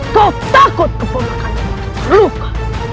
kau takut keponakanmu terluka